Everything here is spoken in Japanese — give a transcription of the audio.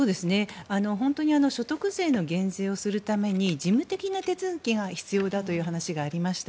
本当に所得税の減税をするために事務的な手続きが必要だという話がありました。